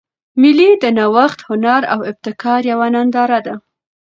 مېلې د نوښت، هنر او ابتکار یوه ننداره ده.